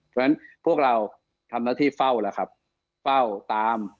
เพราะฉะนั้นพวกเราทำหน้าที่เฝ้าแล้วครับเฝ้าตาม